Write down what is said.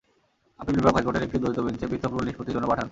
Appeal বিভাগ হাইকোর্টের একটি দ্বৈত বেঞ্চে পৃথক রুল নিষ্পত্তির জন্য পাঠান।